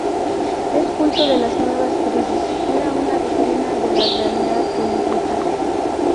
El culto de las nuevas tribus era una vitrina de la realidad política.